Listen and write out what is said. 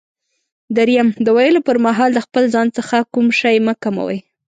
دریم: د ویلو پر مهال د خپل ځان څخه کوم شی مه کموئ.